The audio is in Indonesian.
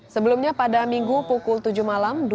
sebelumnya pada minggu pukul tujuh malam